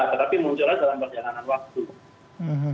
tetapi munculnya dalam perjalanan waktu